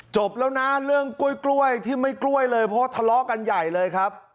จบแล้วนะเรื่องกล้วยที่ไม่กล้วยเลยเพราะทะเลาะกันใหญ่เลยครับ